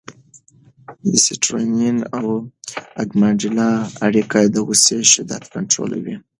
د سېرټونین او امګډالا اړیکه د غوسې شدت کنټرولوي.